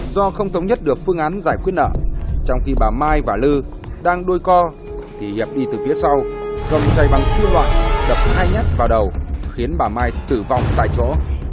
do không thống nhất được phương án giải quyết nợ trong khi bà mai và lư đang đôi co thì hiệp đi từ phía sau gầm chày bằng cưa loạn đập hai nhát vào đầu khiến bà mai tử vong tại chỗ